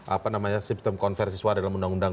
apa namanya sistem konversi suara dalam undang undang